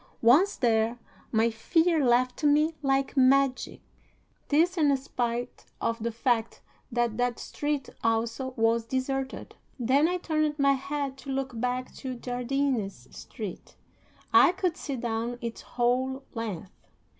Once there, my fear left me like magic. This in spite of the fact that that street also was deserted. Then I turned my head to look back to Jardines Street. I could see down its whole length.